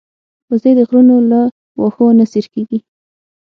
وزې د غرونو له واښو نه سیر کېږي